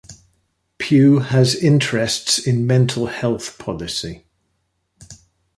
Pugh has interests in mental health policy.